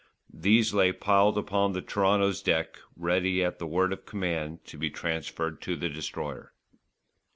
These lay piled upon the Toronto's deck ready at the word of command to be transferred to the Destroyer.